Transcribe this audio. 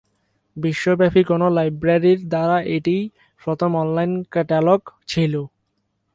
বিশ্বব্যাপী কোনও লাইব্রেরির দ্বারা এটিই প্রথম অনলাইন ক্যাটালগ ছিল।